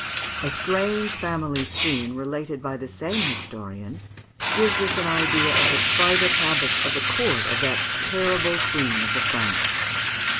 A strange family scene, related by the same historian, gives us an idea of the private habits of the court of that terrible queen of the Franks.